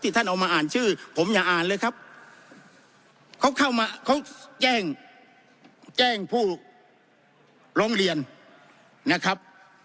ท่านเอามาอ่านชื่อผมอย่าอ่านเลยครับเขาเข้ามาเขาแจ้งแจ้งผู้ร้องเรียนนะครับ